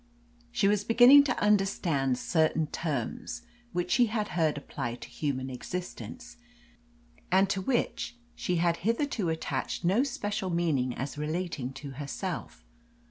She was beginning to understand certain terms which she had heard applied to human existence, and to which she had hitherto attached no special meaning as relating to herself.